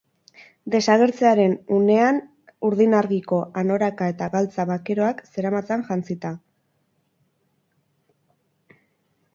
Desagertzearen unean urdin argiko anoraka eta galtza bakeroak zeramatzan jantzita.